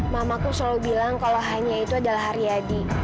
mamaku selalu bilang kalau hanya itu adalah haryadi